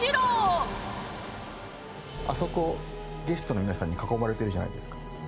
ゲストの皆さんに囲まれているじゃないですか？